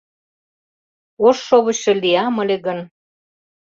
Ош шовычшо лиям ыле гын